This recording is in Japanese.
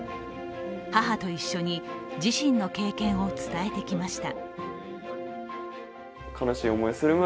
母と一緒に自身の経験を伝えてきました。